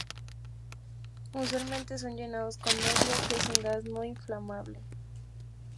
Usualmente son llenados con helio, que es un gas no inflamable.